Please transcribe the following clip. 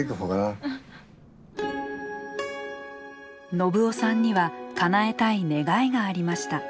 信男さんにはかなえたい願いがありました。